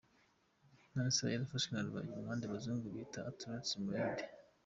None yaba yarafashwe na rubagimpande abazungu bita “arthrose-rhumatoide”?